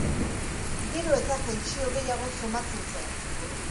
Gero eta tentsio gehiago somatzen zen.